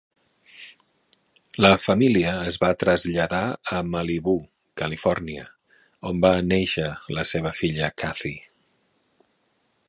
La família es va traslladar a Malibú, Califòrnia, on va néixer la seva filla Kathy.